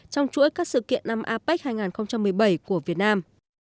trong chuỗi các sự kiện năm apec hai nghìn một mươi bảy của việt nam